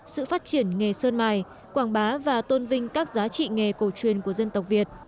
sự phát triển nghề sơn mài quảng bá và tôn vinh các giá trị nghề cổ truyền của dân tộc việt